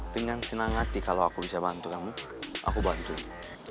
dengan senang hati kalau aku bisa bantu kamu aku bantuin